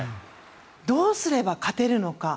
どうすれば勝てるのか。